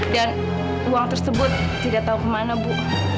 dan uang tersebut tidak tahu kemana bu